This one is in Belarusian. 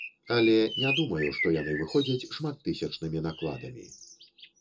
Але не думаю, што яны выходзяць шматттысячнымі накладамі.